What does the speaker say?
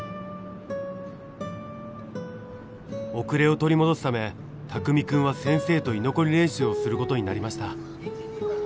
後れを取り戻すため拓美くんは先生と居残り練習をする事になりました。